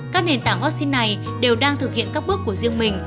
các nền tảng vắc xin này đều đang thực hiện các bước của riêng mình